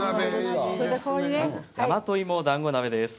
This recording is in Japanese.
「大和芋だんご鍋」です。